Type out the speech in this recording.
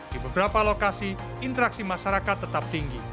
di beberapa lokasi interaksi masyarakat tetap tinggi